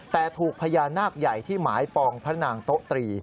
แต่ถูกพญานาคใหญ่ที่หมายปองพระนางโต๊ะตรี